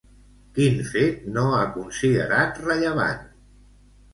Quin fet no ha considerat rellevant?